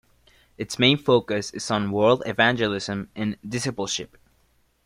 Its main focus is on world evangelism and discipleship.